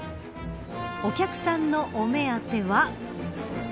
お客さんのお目当ては。